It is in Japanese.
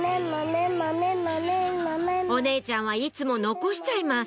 お姉ちゃんはいつも残しちゃいます